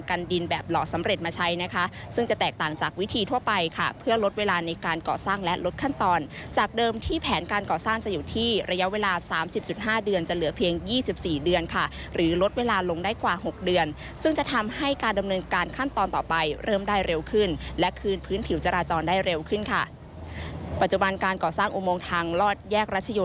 ค่ะเพื่อลดเวลาในการก่อสร้างและลดขั้นตอนจากเดิมที่แผนการก่อสร้างจะอยู่ที่ระยะเวลาสามสิบจุดห้าเดือนจะเหลือเพียงยี่สิบสี่เดือนค่ะหรือลดเวลาลงได้กว่าหกเดือนซึ่งจะทำให้การดำเนินการขั้นตอนต่อไปเริ่มได้เร็วขึ้นและคืนพื้นถิวจราจรได้เร็วขึ้นค่ะปัจจุบันการก่อสร้างอุโมงทางร